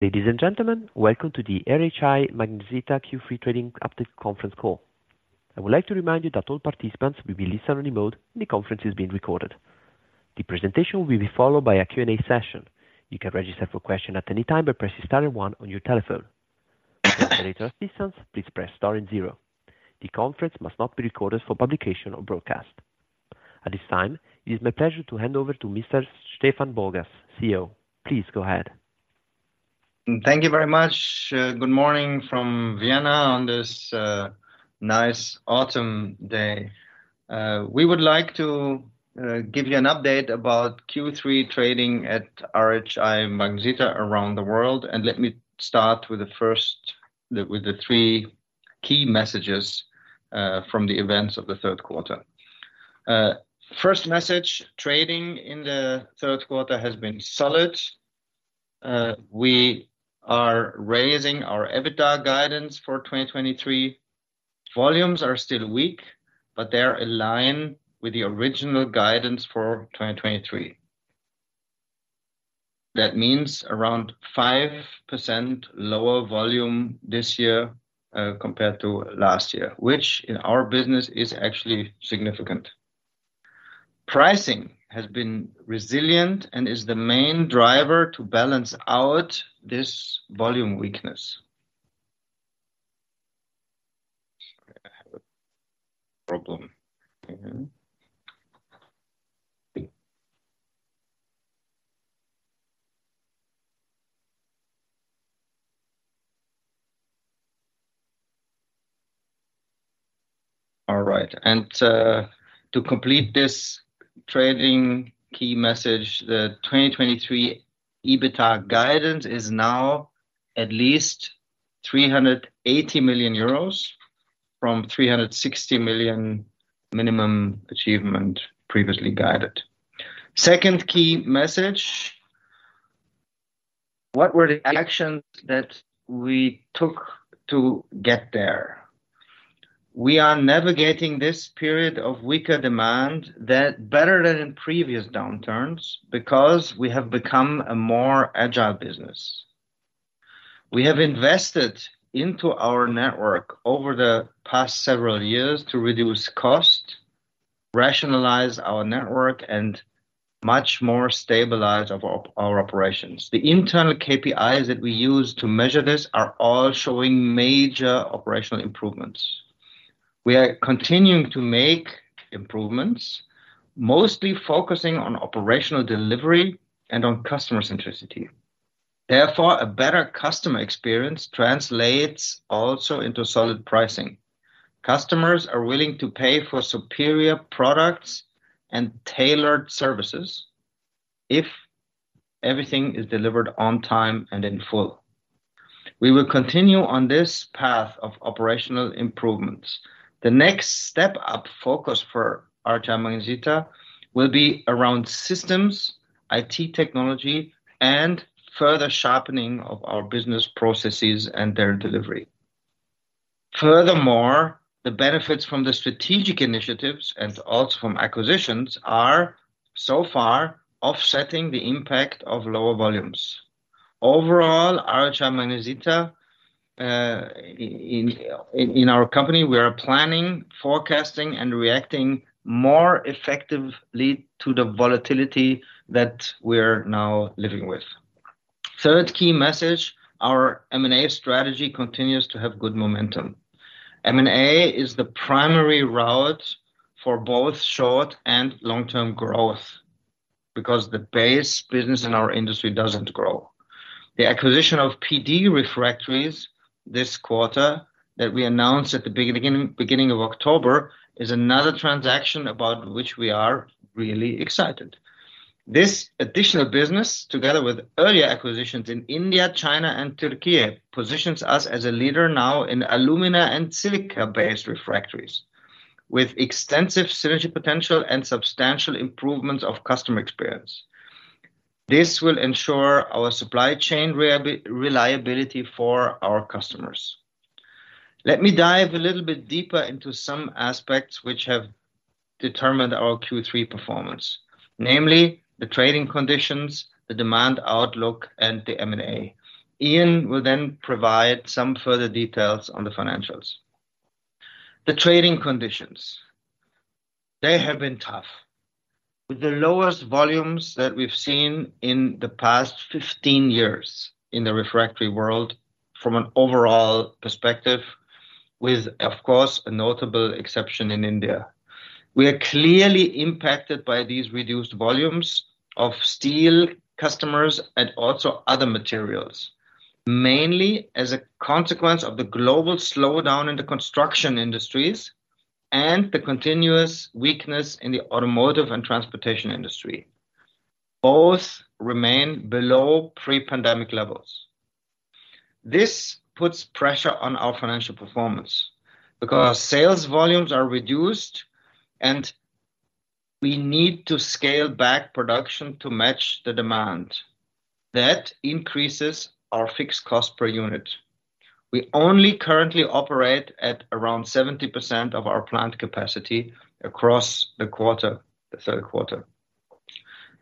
Ladies and gentlemen, welcome to the RHI Magnesita Q3 trading update conference call. I would like to remind you that all participants will be in listen-only mode, and the conference is being recorded. The presentation will be followed by a Q&A session. You can register for questions at any time by pressing star one on your telephone. For operator assistance, please press star and zero. The conference must not be recorded for publication or broadcast. At this time, it is my pleasure to hand over to Mr. Stefan Borgas, CEO. Please go ahead. Thank you very much. Good morning from Vienna on this nice autumn day. We would like to give you an update about Q3 trading at RHI Magnesita around the world, and let me start with the first—the, with the three key messages from the events of the third quarter. First message, trading in the third quarter has been solid. We are raising our EBITDA guidance for 2023. Volumes are still weak, but they are in line with the original guidance for 2023. That means around 5% lower volume this year compared to last year, which in our business is actually significant. Pricing has been resilient and is the main driver to balance out this volume weakness. Sorry, I have [inaudible] problem. All right, to complete this trading key message, the 2023 EBITDA guidance is now at least 380 million euros, from 360 million minimum achievement previously guided. Second key message: What were the actions that we took to get there? We are navigating this period of weaker demand. That better than in previous downturns, because we have become a more agile business. We have invested into our network over the past several years to reduce cost, rationalize our network, and much more stabilized our operations. The internal KPIs that we use to measure this are all showing major operational improvements. We are continuing to make improvements, mostly focusing on operational delivery and on customer centricity. Therefore, a better customer experience translates also into solid pricing. Customers are willing to pay for superior products and tailored services if everything is delivered on time and in full. We will continue on this path of operational improvements. The next step up focus for RHI Magnesita will be around systems, IT technology, and further sharpening of our business processes and their delivery. Furthermore, the benefits from the strategic initiatives and also from acquisitions are so far offsetting the impact of lower volumes. Overall, RHI Magnesita, in our company, we are planning, forecasting, and reacting more effectively to the volatility that we're now living with. Third key message, our M&A strategy continues to have good momentum. M&A is the primary route for both short and long-term growth, because the base business in our industry doesn't grow. The acquisition P-D Refractories this quarter, that we announced at the beginning of October, is another transaction about which we are really excited. This additional business, together with earlier acquisitions in India, China, and Türkiye, positions us as a leader now in alumina and silica-based refractories, with extensive synergy potential and substantial improvements of customer experience. This will ensure our supply chain reliability for our customers. Let me dive a little bit deeper into some aspects which have determined our Q3 performance, namely the trading conditions, the demand outlook, and the M&A. Ian will then provide some further details on the financials. The trading conditions, they have been tough, with the lowest volumes that we've seen in the past 15 years in the refractory world from an overall perspective, with, of course, a notable exception in India. We are clearly impacted by these reduced volumes of steel customers and also other materials, mainly as a consequence of the global slowdown in the construction industries and the continuous weakness in the automotive and transportation industry. Both remain below pre-pandemic levels. This puts pressure on our financial performance, because our sales volumes are reduced, and we need to scale back production to match the demand. That increases our fixed cost per unit. We only currently operate at around 70% of our plant capacity across the quarter, the third quarter.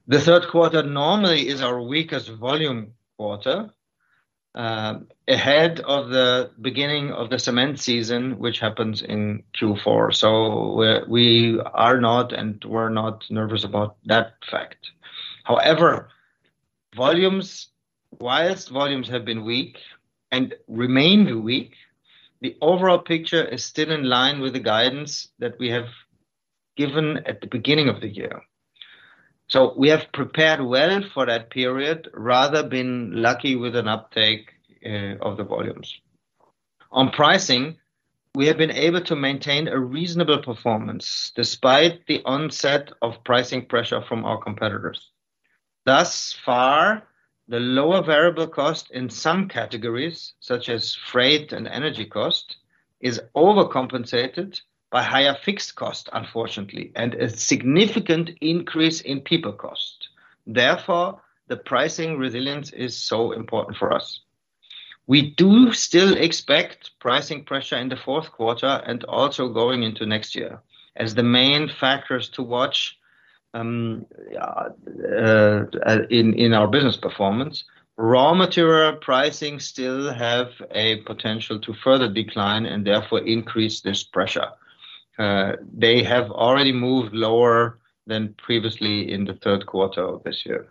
The third quarter normally is our weakest volume quarter, ahead of the beginning of the cement season, which happens in Q4. So we, we are not and we're not nervous about that fact. However, while volumes have been weak and remain weak, the overall picture is still in line with the guidance that we have given at the beginning of the year. So we have prepared well for that period, rather than been lucky with an uptick of the volumes. On pricing, we have been able to maintain a reasonable performance despite the onset of pricing pressure from our competitors. Thus far, the lower variable cost in some categories, such as freight and energy cost, is overcompensated by higher fixed cost, unfortunately, and a significant increase in people cost. Therefore, the pricing resilience is so important for us. We do still expect pricing pressure in the fourth quarter and also going into next year as the main factors to watch in our business performance. Raw material pricing still have a potential to further decline and therefore increase this pressure. They have already moved lower than previously in the third quarter of this year.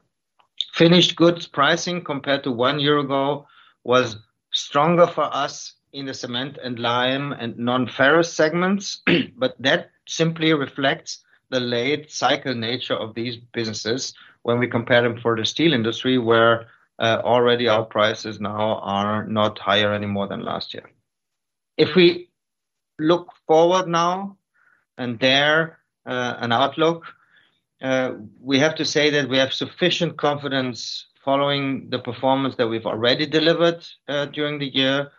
Finished goods pricing, compared to one year ago, was stronger for us in the cement and lime and non-ferrous segments, but that simply reflects the late cycle nature of these businesses when we compare them for the steel industry, where, already our prices now are not higher anymore than last year. If we look forward now and there, an outlook, we have to say that we have sufficient confidence following the performance that we've already delivered, during the year,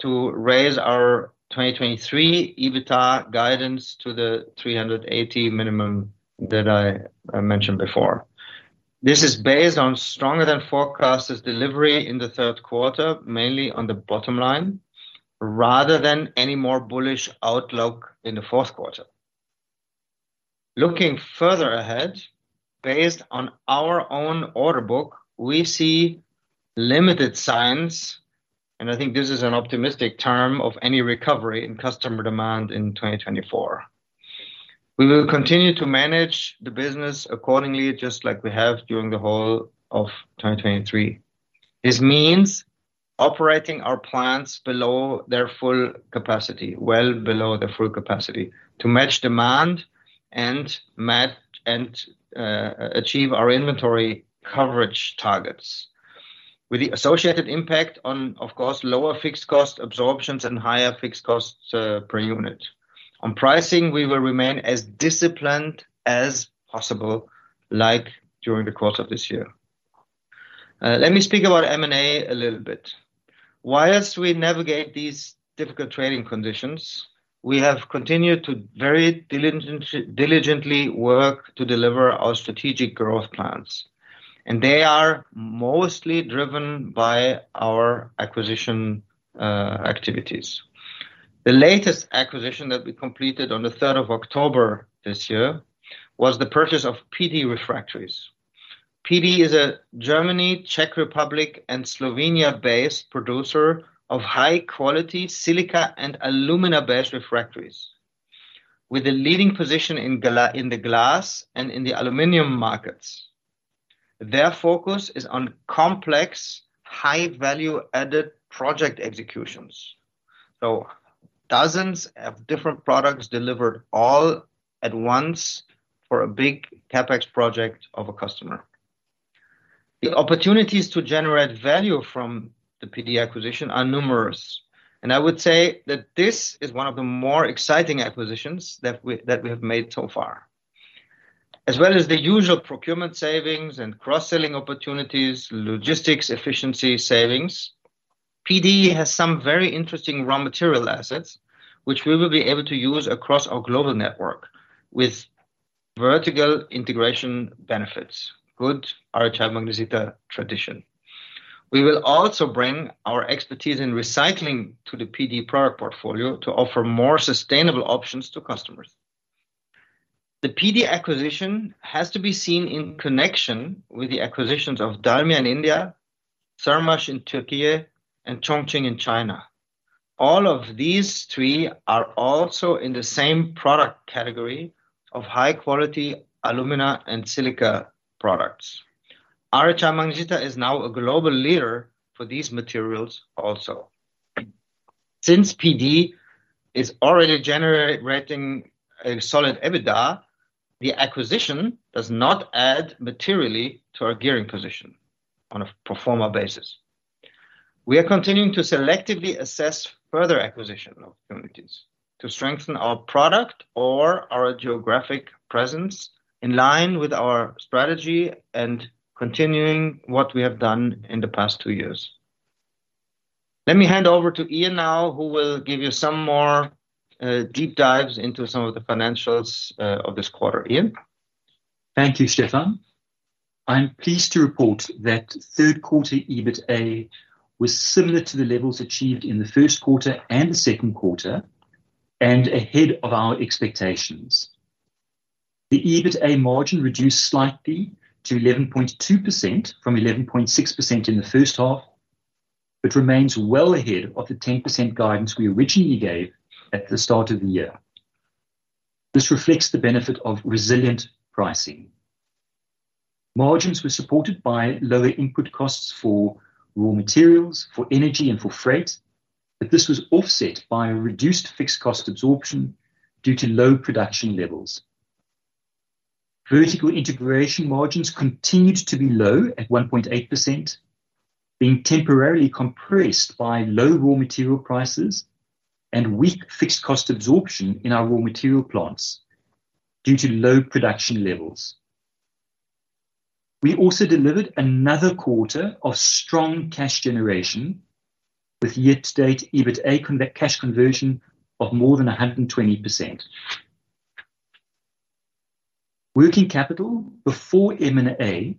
to raise our 2023 EBITDA guidance to the 380 million minimum that I, I mentioned before. This is based on stronger than forecasted delivery in the third quarter, mainly on the bottom line, rather than any more bullish outlook in the fourth quarter. Looking further ahead, based on our own order book, we see limited signs, and I think this is an optimistic term, of any recovery in customer demand in 2024. We will continue to manage the business accordingly, just like we have during the whole of 2023. This means operating our plants below their full capacity, well below the full capacity, to match demand and match and achieve our inventory coverage targets. With the associated impact on, of course, lower fixed cost absorptions and higher fixed costs per unit. On pricing, we will remain as disciplined as possible, like during the quarter of this year. Let me speak about M&A a little bit. While we navigate these difficult trading conditions, we have continued to diligently work to deliver our strategic growth plans, and they are mostly driven by our acquisition activities. The latest acquisition that we completed on the third of October this year was the purchase P-D Refractories. P-D is a Germany, Czech Republic, and Slovenia-based producer of high-quality silica and alumina-based refractories, with a leading position in the glass and in the aluminum markets. Their focus is on complex, high-value added project executions, so dozens of different products delivered all at once for a big CapEx project of a customer. The opportunities to generate value from the P-D acquisition are numerous, and I would say that this is one of the more exciting acquisitions that we have made so far. As well as the usual procurement savings and cross-selling opportunities, logistics, efficiency savings, P-D has some very interesting raw material assets, which we will be able to use across our global network with vertical integration benefits. Good RHI Magnesita tradition. We will also bring our expertise in recycling to the P-D product portfolio to offer more sustainable options to customers. The P-D acquisition has to be seen in connection with the acquisitions of Dalmia in India, SÖRMAŞ in Türkiye, and Chongqing in China. All of these three are also in the same product category of high-quality alumina and silica products. RHI Magnesita is now a global leader for these materials also. Since P-D is already generating a solid EBITDA, the acquisition does not add materially to our gearing position on a pro forma basis. We are continuing to selectively assess further acquisition opportunities to strengthen our product or our geographic presence in line with our strategy and continuing what we have done in the past two years. Let me hand over to Ian now, who will give you some more, deep dives into some of the financials, of this quarter. Ian? Thank you, Stefan. I'm pleased to report that third quarter EBITDA was similar to the levels achieved in the first quarter and the second quarter, and ahead of our expectations. The EBITDA margin reduced slightly to 11.2% from 11.6% in the first half, but remains well ahead of the 10% guidance we originally gave at the start of the year. This reflects the benefit of resilient pricing. Margins were supported by lower input costs for raw materials, for energy, and for freight, but this was offset by a reduced fixed cost absorption due to low production levels. Vertical integration margins continued to be low at 1.8%, being temporarily compressed by low raw material prices and weak fixed cost absorption in our raw material plants due to low production levels. We also delivered another quarter of strong cash generation, with year-to-date EBITDA cash conversion of more than 120%. Working capital before M&A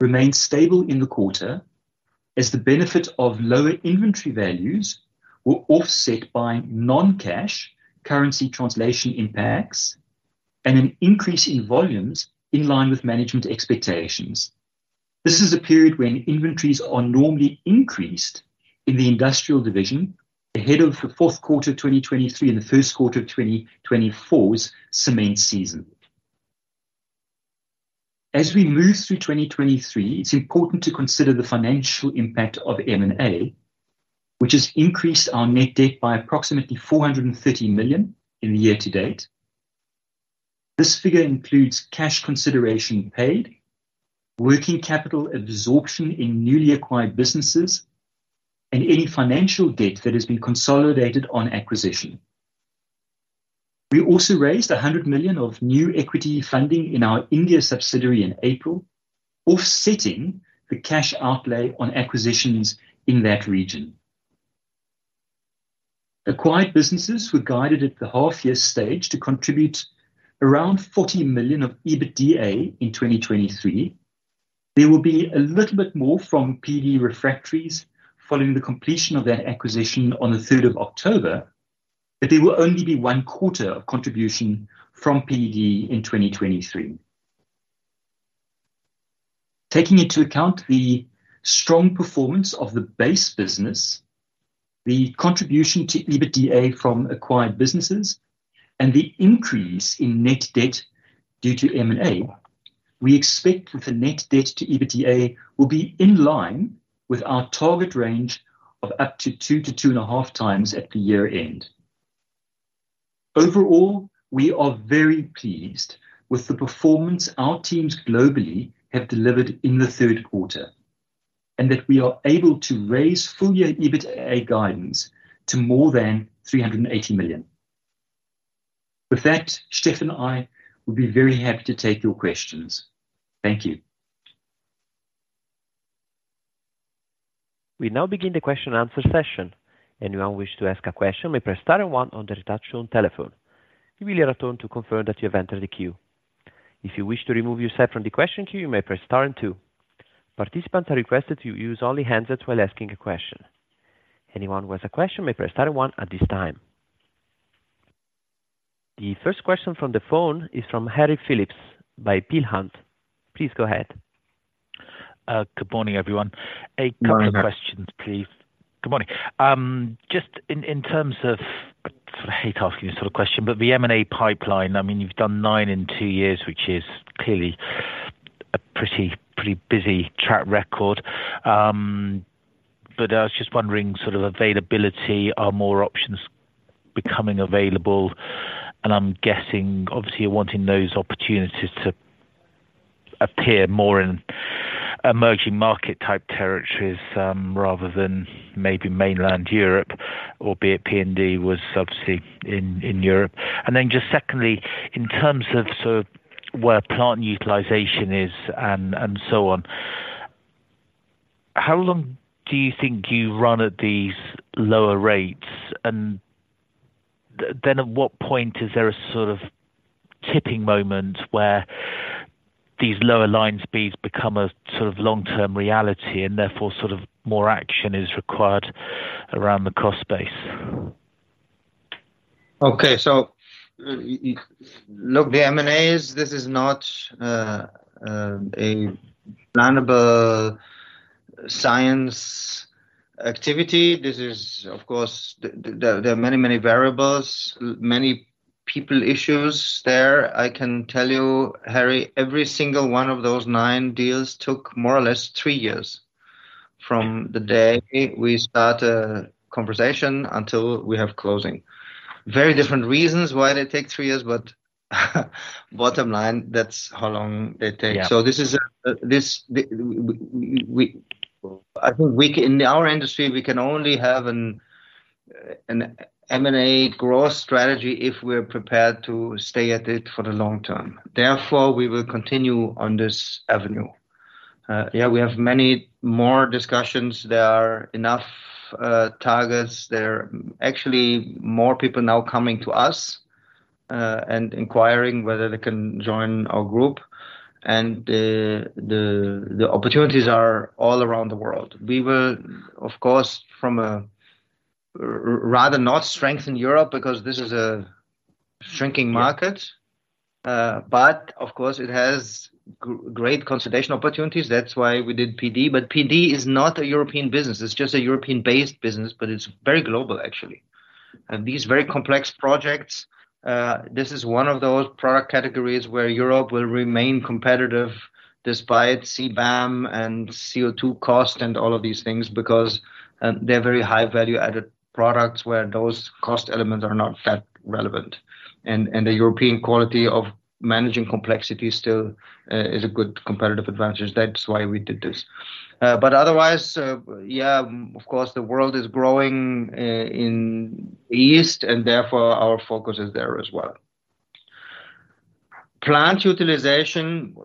remained stable in the quarter, as the benefit of lower inventory values were offset by non-cash currency translation impacts and an increase in volumes in line with management expectations. This is a period when inventories are normally increased in the industrial division ahead of the fourth quarter 2023 and the first quarter of 2024's cement season. As we move through 2023, it's important to consider the financial impact of M&A, which has increased our net debt by approximately 430 million in the year-to-date. This figure includes cash consideration paid, working capital absorption in newly acquired businesses, and any financial debt that has been consolidated on acquisition. We also raised 100 million of new equity funding in our India subsidiary in April, offsetting the cash outlay on acquisitions in that region. Acquired businesses were guided at the half-year stage to contribute around 40 million of EBITDA in 2023. There will be a little bit more from P-D Refractories following the completion of that acquisition on the third of October, but there will only be one quarter of contribution from P-D in 2023. Taking into account the strong performance of the base business, the contribution to EBITDA from acquired businesses, and the increase in net debt due to M&A, we expect that the net debt to EBITDA will be in line with our target range of up to 2x-2.5x at the year-end. Overall, we are very pleased with the performance our teams globally have dlivered in the third quarter, and that we are able to raise full-year EBITDA guidance to more than 380 million. With that, Stefan and I will be very happy to take your questions. Thank you. We now begin the question-and-answer session. Anyone who wish to ask a question may press star and one on their touchtone telephone. You will hear a tone to confirm that you have entered the queue. If you wish to remove yourself from the question queue, you may press star and two. Participants are requested to use only handsets while asking a question. Anyone with a question may press star and one at this time. The first question from the phone is from Harry Philips of Peel Hunt. Please go ahead. Good morning, everyone. Good morning. A couple of questions, please. Good morning. Just in terms of—I sort of hate asking you this sort of question, but the M&A pipeline, I mean, you've done nine in two years, which is clearly a pretty, pretty busy track record. But I was just wondering, sort of availability, are more options becoming available? And I'm guessing, obviously, you're wanting those opportunities to appear more in emerging market type territories, rather than maybe mainland Europe, albeit P-D was obviously in Europe. And then just secondly, in terms of sort of where plant utilization is and so on, how long do you think you run at these lower rates? And then at what point is there a sort of tipping moment where these lower line speeds become a sort of long-term reality and therefore, sort of more action is required around the cost base? Okay. So, look, the M&As, this is not a plannable science activity. This is of course—there, there are many, many variables, many people issues there. I can tell you, Harry, every single one of those nine deals took more or less three years from the day we start a conversation until we have closing. Very different reasons why they take three years, but bottom line, that's how long they take. Yeah. So, I think, in our industry, we can only have an M&A growth strategy if we're prepared to stay at it for the long term. Therefore, we will continue on this avenue. Yeah, we have many more discussions. There are enough targets. There are actually more people now coming to us and inquiring whether they can join our group, and the opportunities are all around the world. We will, of course, from a rather not strengthen Europe, because this is a shrinking market. But of course it has great consolidation opportunities, that's why we did P-D. But P-D is not a European business, it's just a European-based business, but it's very global actually. And these very complex projects, this is one of those product categories where Europe will remain competitive despite CBAM and CO2 cost and all of these things, because they're very high value-added products, where those cost elements are not that relevant. And the European quality of managing complexity still is a good competitive advantage. That's why we did this. But otherwise, yeah, of course, the world is growing in the east, and therefore, our focus is there as well. Plant utilization,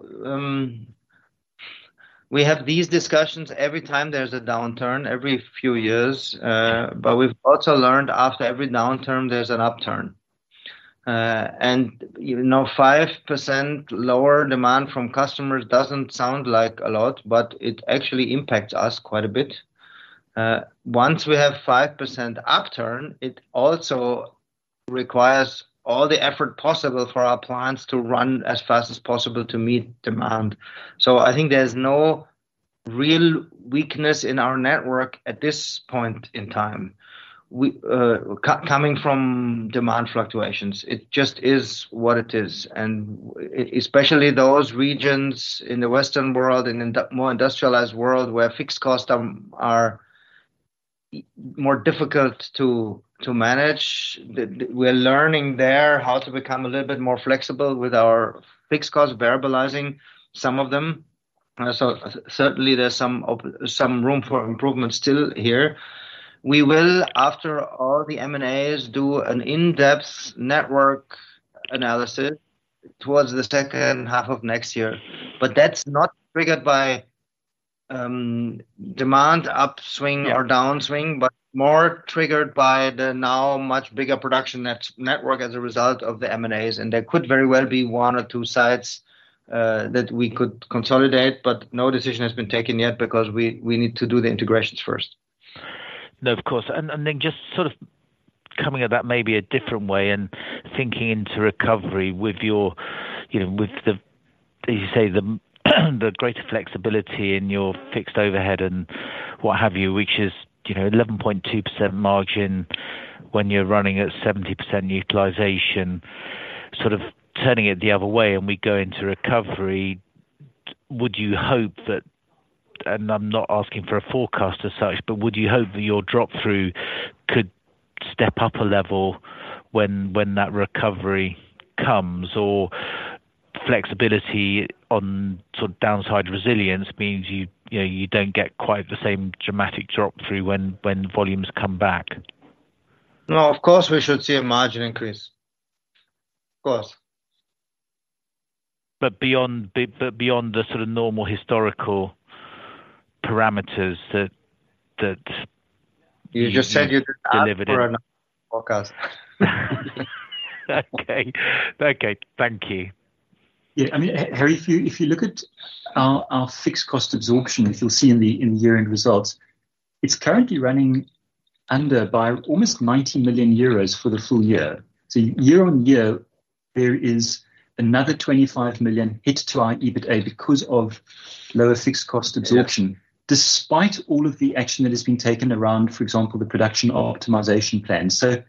we have these discussions every time there's a downturn, every few years, but we've also learned after every downturn, there's an upturn. And, you know, 5% lower demand from customers doesn't sound like a lot, but it actually impacts us quite a bit. Once we have 5% upturn, it also requires all the effort possible for our plants to run as fast as possible to meet demand. So I think there's no real weakness in our network at this point in time. We, coming from demand fluctuations, it just is what it is, and especially those regions in the Western world and in the more industrialized world, where fixed costs are more difficult to manage. We're learning there how to become a little bit more flexible with our fixed costs, variablizing some of them. So certainly there's some room for improvement still here. We will, after all the M&As, do an in-depth network analysis towards the second half of next year. But that's not triggered by demand upswing or downswing, but more triggered by the now much bigger production network as a result of the M&As. And there could very well be one or two sites that we could consolidate, but no decision has been taken yet because we need to do the integrations first. No, of course. And, and then just sort of coming at that maybe a different way and thinking into recovery with your, you know, with the, as you say, the, the greater flexibility in your fixed overhead and what have you, which is, you know, 11.2% margin when you're running at 70% utilization. Sort of turning it the other way and we go into recovery, would you hope that—and I'm not asking for a forecast as such, but would you hope that your drop-through could step up a level when, when that recovery comes? Or flexibility on sort of downside resilience means you, you know, you don't get quite the same dramatic drop-through when, when volumes come back. No, of course, we should see a margin increase. Of course. But beyond the sort of normal historical parameters that— You just said you— Delivered in— Didn't ask for a forecast. Okay. Okay, thank you. Yeah, I mean, Harry, if you look at our fixed cost absorption, you'll see in the year-end results it's currently running under by almost 90 million euros for the full year. So year-on-year, there is another 25 million hit to our EBITDA because of lower fixed cost absorption. Yeah. Despite all of the action that has been taken around, for example, the production optimization plan. So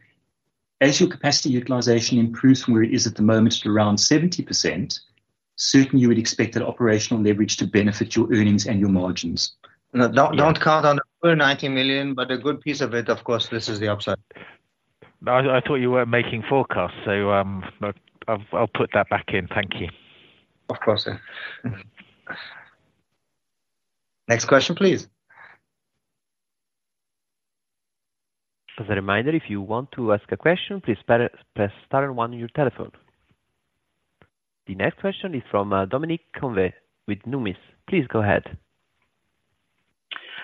as your capacity utilization improves from where it is at the moment to around 70%, certainly you would expect that operational leverage to benefit your earnings and your margins. No, don't, don't count on the full 90 million, but a good piece of it, of course, this is the upside. I thought you weren't making forecasts, so, I'll put that back in. Thank you. Of course, sir. Next question, please. As a reminder, if you want to ask a question, please press star and one on your telephone. The next question is from Dominic Convey with Numis. Please go ahead.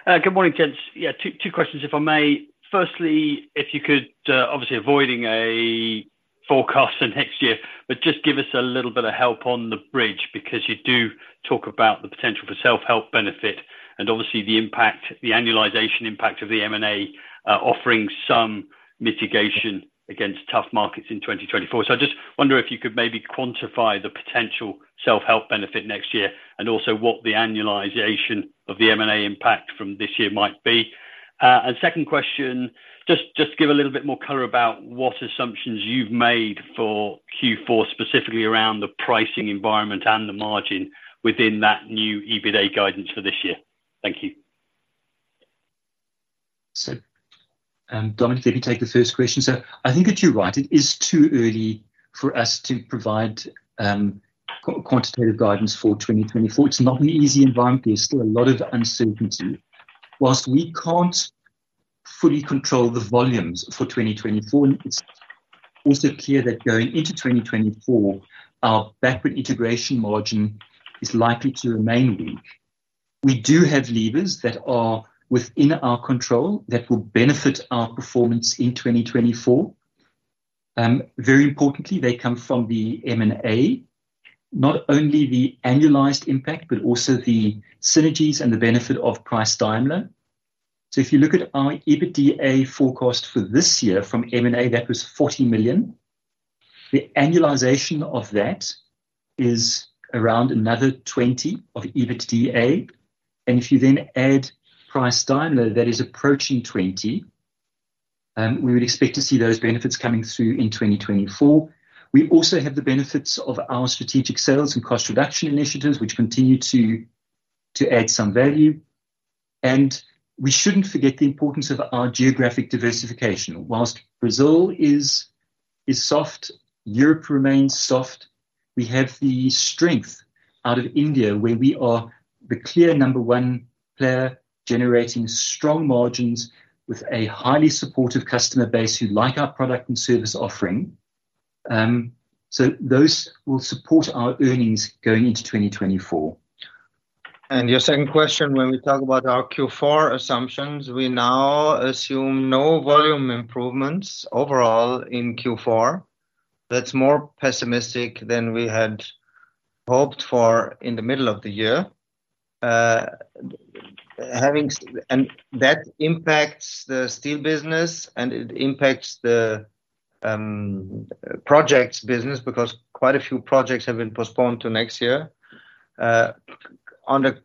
Good morning, gents. Yeah, two questions, if I may. Firstly, if you could, obviously avoiding a forecast for next year, but just give us a little bit of help on the bridge, because you do talk about the potential for self-help benefit and obviously the impact, the annualization impact of the M&A, offering some mitigation against tough markets in 2024. So I just wonder if you could maybe quantify the potential self-help benefit next year, and also what the annualization of the M&A impact from this year might be. And second question, just, just give a little bit more color about what assumptions you've made for Q4, specifically around the pricing environment and the margin within that new EBITDA guidance for this year. Thank you. So, Dominic, let me take the first question. So I think that you're right, it is too early for us to provide quantitative guidance for 2024. It's not an easy environment. There's still a lot of uncertainty. While we can't fully control the volumes for 2024. It's also clear that going into 2024, our backward integration margin is likely to remain weak. We do have levers that are within our control that will benefit our performance in 2024. Very importantly, they come from the M&A, not only the annualized impact, but also the synergies and the benefit of Preiss-Daimler. So if you look at our EBITDA forecast for this year from M&A, that was 40 million. The annualization of that is around another 20 million of EBITDA, and if you then add Preiss-Daimler, that is approaching 20 million. We would expect to see those benefits coming through in 2024. We also have the benefits of our strategic sales and cost reduction initiatives, which continue to add some value. We shouldn't forget the importance of our geographic diversification. While Brazil is soft, Europe remains soft, we have the strength out of India, where we are the clear number one player, generating strong margins with a highly supportive customer base who like our product and service offering. So those will support our earnings going into 2024. Your second question, when we talk about our Q4 assumptions, we now assume no volume improvements overall in Q4. That's more pessimistic than we had hoped for in the middle of the year. And that impacts the steel business, and it impacts the projects business, because quite a few projects have been postponed to next year. On the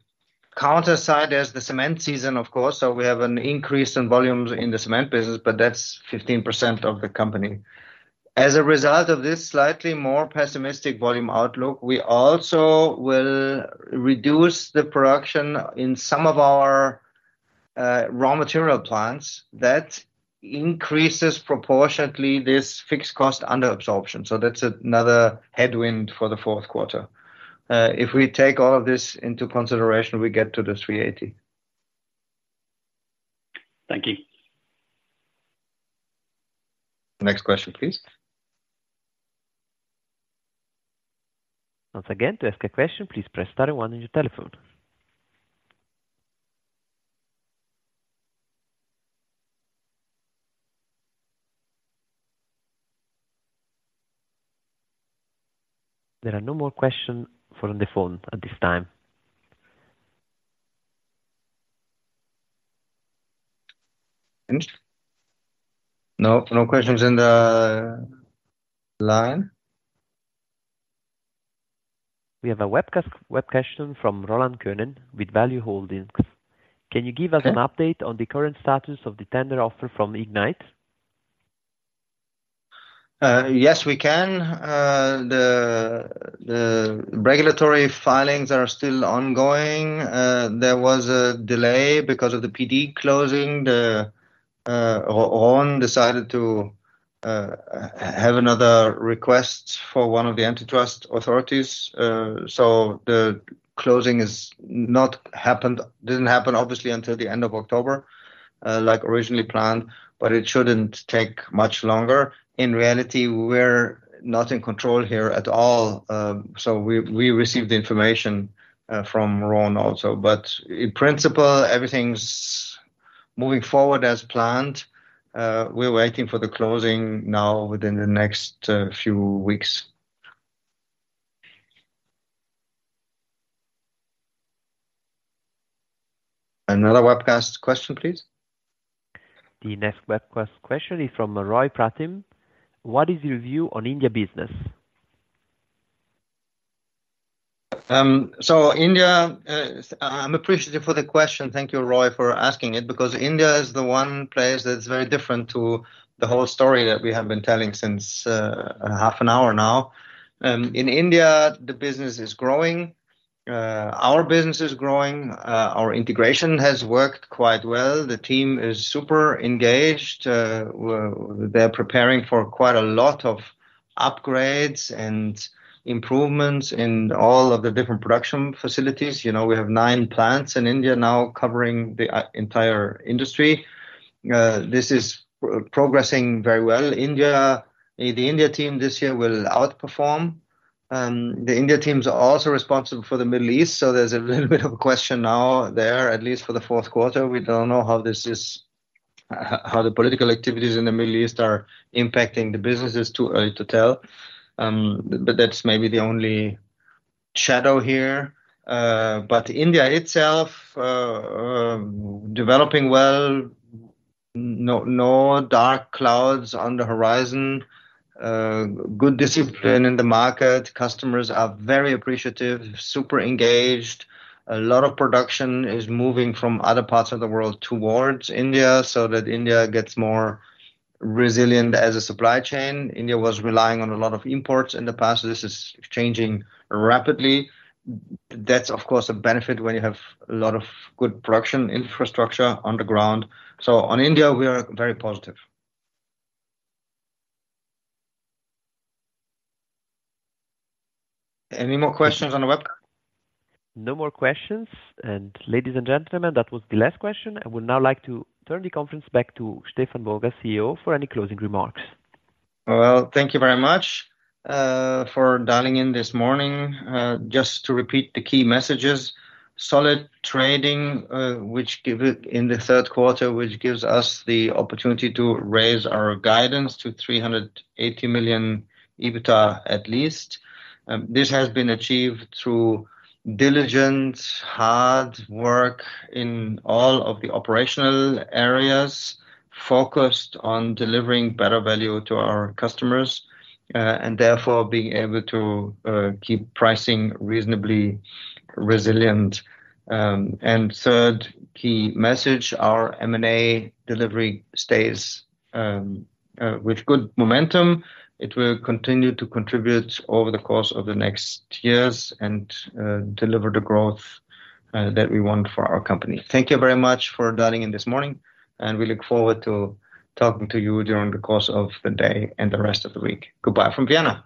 counter side, there's the cement season, of course, so we have an increase in volumes in the cement business, but that's 15% of the company. As a result of this slightly more pessimistic volume outlook, we also will reduce the production in some of our raw material plants. That increases proportionately this fixed cost absorption, so that's another headwind for the fourth quarter. If we take all of this into consideration, we get to 380 million. Thank you. Next question, please. Once again, to ask a question, please press star one on your telephone. There are no more questions from the phone at this time. No, no questions in the line? We have a webcast, web question from Roland Könen with Value Holdings. Can you give us an update on the current status of the tender offer from Ignite? Yes, we can. The regulatory filings are still ongoing. There was a delay because of the P-D closing. Rhône decided to have another request for one of the antitrust authorities. So the closing didn't happen obviously until the end of October, like originally planned, but it shouldn't take much longer. In reality, we're not in control here at all. So we received the information from Rhône also, but in principle, everything's moving forward as planned. We're waiting for the closing now within the next few weeks. Another webcast question, please. The next webcast question is from Roy Pratim. What is your view on India business? So India, I'm appreciative for the question. Thank you, Roy, for asking it, because India is the one place that's very different to the whole story that we have been telling since half an hour now. In India, the business is growing. Our business is growing. Our integration has worked quite well. The team is super engaged. Well, they're preparing for quite a lot of upgrades and improvements in all of the different production facilities. You know, we have nine plants in India now, covering the entire industry. This is progressing very well. India—the India team this year will outperform. The India teams are also responsible for the Middle East, so there's a little bit of a question now there, at least for the fourth quarter. We don't know how this is, how the political activities in the Middle East are impacting the businesses. Too early to tell. That's maybe the only shadow here. India itself, developing well, no, no dark clouds on the horizon. Good discipline in the market. Customers are very appreciative, super engaged. A lot of production is moving from other parts of the world towards India, so that India gets more resilient as a supply chain. India was relying on a lot of imports in the past, so this is changing rapidly. That's, of course, a benefit when you have a lot of good production infrastructure on the ground. So on India, we are very positive. Any more questions on the web? No more questions. Ladies and gentlemen, that was the last question. I would now like to turn the conference back to Stefan Borgas, CEO, for any closing remarks. Well, thank you very much for dialing in this morning. Just to repeat the key messages, solid trading, which give it in the third quarter, which gives us the opportunity to raise our guidance to 380 million EBITDA at least. This has been achieved through diligent, hard work in all of the operational areas, focused on delivering better value to our customers, and therefore being able to keep pricing reasonably resilient. Third key message, our M&A delivery stays with good momentum. It will continue to contribute over the course of the next years and deliver the growth that we want for our company. Thank you very much for dialing in this morning, and we look forward to talking to you during the course of the day and the rest of the week. Goodbye from Vienna.